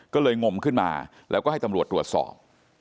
ก็เลยงมขึ้นมาแล้วก็ให้ตำรวจตรวจสอบ